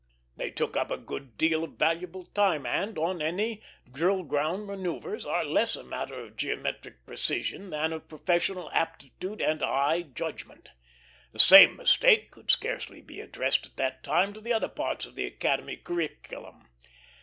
They took up a good deal of valuable time, and on any drill ground manoeuvres are less a matter of geometric precision than of professional aptitude and eye judgment. The same mistake could scarcely be addressed at that time to the other parts of the Academy curriculum.